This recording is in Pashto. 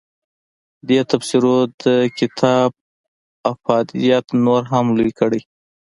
دې تبصرو د کتاب افادیت نور هم لوی کړی.